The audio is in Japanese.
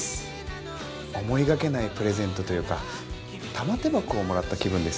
思いがけないプレゼントというか玉手箱をもらった気分ですよね。